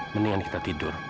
mendingan kita tidur